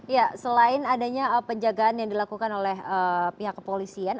ya selain adanya penjagaan yang dilakukan oleh pihak kepolisian